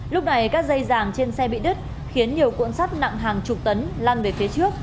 lúc này các dây giàng trên xe bị đứt khiến nhiều cuộn sắt nặng hàng chục tấn lan về phía trước